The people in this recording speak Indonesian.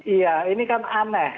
iya ini kan aneh